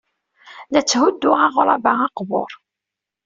La tthudduɣ aɣrab-a aqbur.